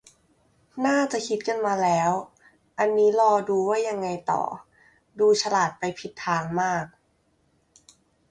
น่าจะคิดกันมาแล้ว อันนี้รอดูว่ายังไงต่อ ดูฉลาดไปผิดทางมาก